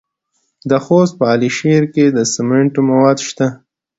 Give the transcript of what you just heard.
د خوست په علي شیر کې د سمنټو مواد شته.